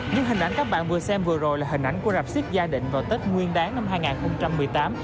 những hình ảnh các bạn vừa xem vừa rồi là hình ảnh của rạp siếc gia định vào tết nguyên đáng năm hai nghìn một mươi tám